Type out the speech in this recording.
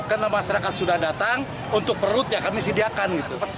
karena masyarakat sudah datang untuk perutnya kami sediakan